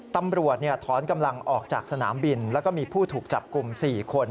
ตำรวจถอนกำลังออกจากสนามบินแล้วก็มีผู้ถูกจับกลุ่ม๔คน